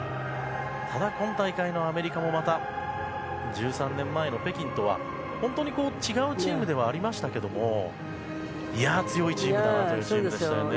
ただ、今大会のアメリカもまた、１３年前の北京とは違うチームではありましたが強いチームだなという印象ですね。